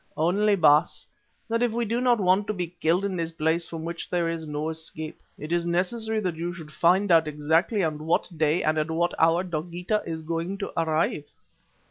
"Only, Baas, that if we do not want to be killed in this place from which there is no escape, it is necessary that you should find out exactly on what day and at what hour Dogeetah is going to arrive."